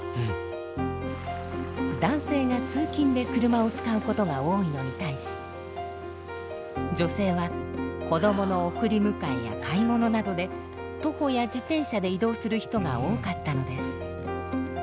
男性が通勤で車を使うことが多いのに対し女性は子どもの送り迎えや買い物などで徒歩や自転車で移動する人が多かったのです。